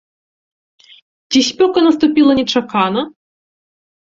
Ці спёка наступіла нечакана?